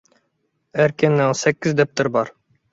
ئەركىننىڭ سەككىز دەپتىرى بار.